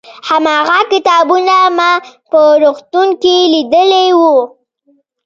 هماغه کتابونه ما په روغتون کې لیدلي وو.